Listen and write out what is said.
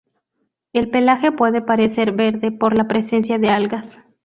El pelaje puede parecer verde por la presencia de algas.